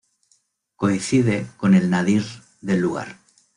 Coincide con el nadir del lugar.